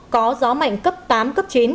có gió mạnh cấp tám cấp chín